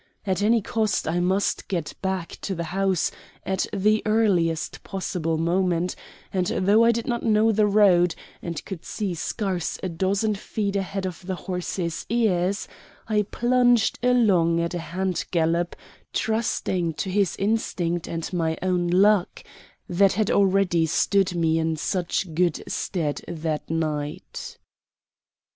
At any cost I must get back to the house at the earliest possible moment; and though I did not know the road, and could see scarce a dozen feet ahead of the horse's ears, I plunged along at a hand gallop, trusting to his instinct and my own luck, that had already stood me in such good stead that night.